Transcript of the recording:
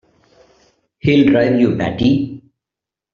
He'll drive you batty!